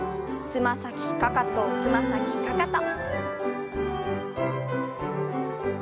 つま先かかとつま先かかと。